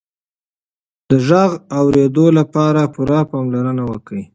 د غږ د اورېدو لپاره پوره پاملرنه وکړه.